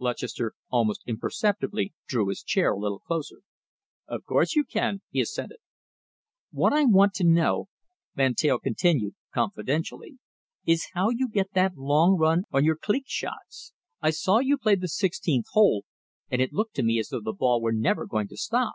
Lutchester almost imperceptibly drew his chair a little closer. "Of course you can," he assented. "What I want to know," Van Teyl continued confidentially, "is how you get that long run on your cleek shots? I saw you play the sixteenth hole, and it looked to me as though the ball were never going to stop."